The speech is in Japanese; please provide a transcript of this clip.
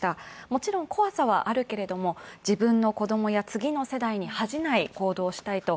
もちろん怖さはあるけれども自分の子供や次の世代に恥じない行動をしたいと